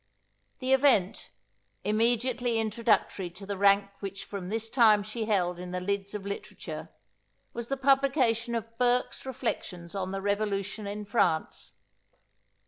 The event, immediately introductory to the rank which from this time she held in the lids of literature, was the publication of Burke's Reflections on the Revolution in France.